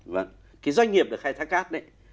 vâng cái doanh nghiệp là khai thác cát đấy